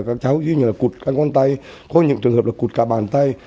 các cháu như là cụt các con tay có những trường hợp là cụt cả bàn tay